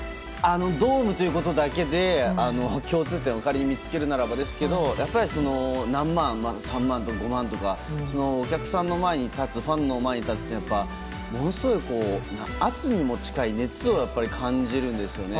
ドームということだけで共通点を仮に見つけるならですが何万、３万とか５万とかそのお客さんの前ファンの前に立つというのはものすごい圧にも近い熱を感じるんですよね。